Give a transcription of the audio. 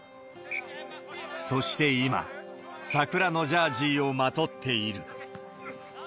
そして今、桜のジャージをまとっている。